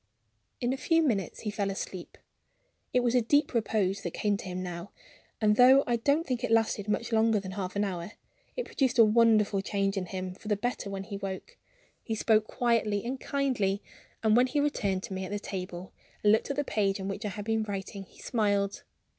In a few minutes he fell asleep. It was a deep repose that came to him now; and, though I don't think it lasted much longer than half an hour, it produced a wonderful change in him for the better when he woke. He spoke quietly and kindly; and when he returned to me at the table and looked at the page on which I had been writing, he smiled.